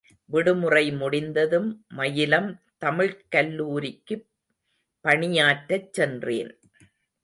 விடுமுறை முடிந்ததும் மயிலம் தமிழ்க் கல்லூரிக்குப் பணியாற்றச் சென்றேன்.